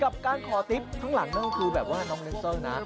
กับการขอติ๊บข้างหลังนั่นคือแบบว่าน้องเนสเตอร์นะ